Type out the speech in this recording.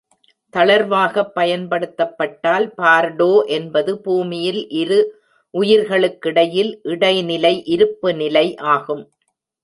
தளர்வாகப் பயன்படுத்தப்பட்டால், "பார்டோ" என்பது பூமியில் இரு உயிர்களுக்கிடையில் இடைநிலை இருப்பு நிலை ஆகும்.